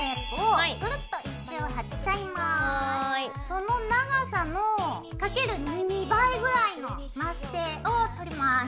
その長さのかける２倍ぐらいのマステを取ります。